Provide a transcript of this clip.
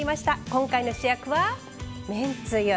今回の主役はめんつゆ。